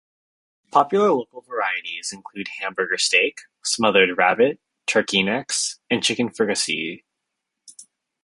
Popular local varieties include hamburger steak, smothered rabbit, turkey necks, and chicken fricassee.